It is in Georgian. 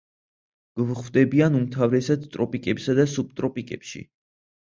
გვხვდებიან უმთავრესად ტროპიკებსა და სუბტროპიკებში.